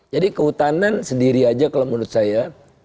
jadi kehutanan sendiri aja kalau menurut saya